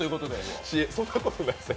いや、そんなことないですよ。